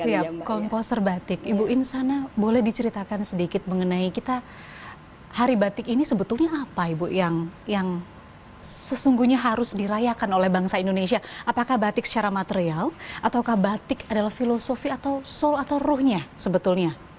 siap komposer batik ibu insana boleh diceritakan sedikit mengenai kita hari batik ini sebetulnya apa ibu yang sesungguhnya harus dirayakan oleh bangsa indonesia apakah batik secara material atau batik adalah filosofi atau soul atau rohnya sebetulnya